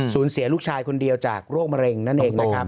เสียลูกชายคนเดียวจากโรคมะเร็งนั่นเองนะครับ